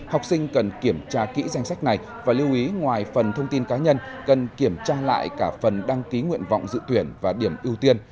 học sinh cần kiểm tra kỹ danh sách này và lưu ý ngoài phần thông tin cá nhân cần kiểm tra lại cả phần đăng ký nguyện vọng dự tuyển và điểm ưu tiên